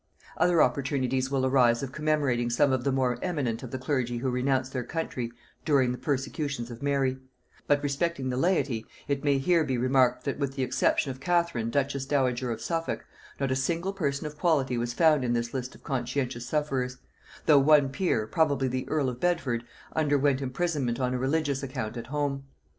Other opportunities will arise of commemorating some of the more eminent of the clergy who renounced their country during the persecutions of Mary; but respecting the laity, it may here be remarked, that with the exception of Catherine duchess dowager of Suffolk, not a single person of quality was found in this list of conscientious sufferers; though one peer, probably the earl of Bedford, underwent imprisonment on a religious account at home.